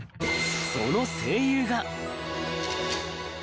その声優が。